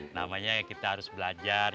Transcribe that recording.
namanya kita harus belajar